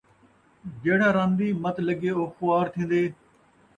جیڑھا رن دی مت لڳے او خوار تھین٘دے